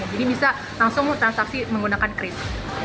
jadi bisa langsung transaksi menggunakan kris